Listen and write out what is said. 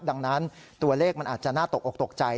ดังนั้นตัวเลขมันอาจจะน่าตกออกตกใจ